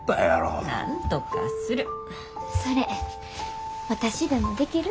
それ私でもできる？